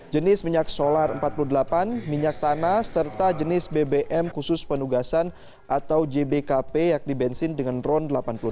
jenis minyak solar empat puluh delapan minyak tanah serta jenis bbm khusus penugasan atau jbkp yakni bensin dengan drone delapan puluh enam